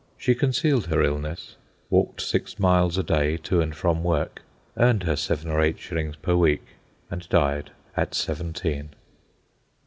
She concealed her illness, walked six miles a day to and from work, earned her seven or eight shillings per week, and died, at seventeen.